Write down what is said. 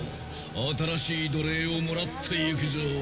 新しい奴隷をもらっていくぞ。